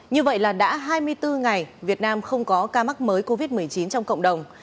như vậy là đã hai mươi bốn ngày việt nam không có ca mắc mới covid một mươi chín trong cộng đồng